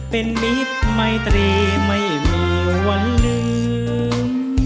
เป็นมิตรไมตรีไม่มีวันลืม